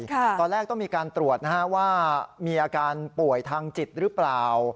ตอนแรกต้องมีการตรวจนะฮะว่ามีอาการป่วยทางจิตหรือเปล่า